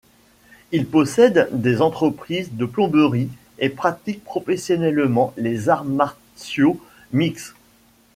Il possède des entreprises de plomberie et pratique professionnellement les arts martiaux mixtes.